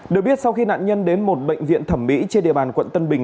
được biết sau khi nạn nhân đến một bệnh viện thẩm mỹ trên địa bàn quận tân bình